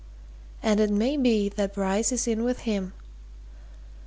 And it may be that Bryce is in with him.